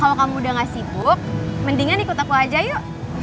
kalau kamu udah gak sibuk mendingan ikut aku aja yuk